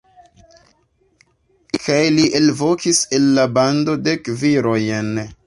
Kaj li elvokis el la bando dek virojn.